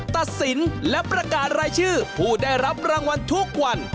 ตัดสินและประกาศรายชื่อผู้ได้รับรางวัลทุกวัน